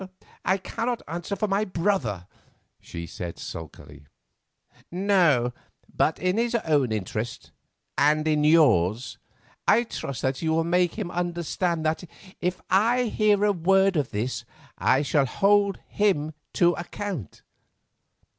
"I cannot answer for my brother," she said sulkily. "No, but in his own interest and in yours I trust that you will make him understand that if I hear a word of this I shall hold him to account.